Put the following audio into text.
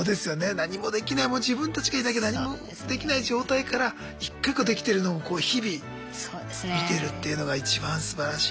何もできないもう自分たちがいなきゃ何もできない状態から一個一個できてるのをこう日々見てるっていうのが一番すばらしい。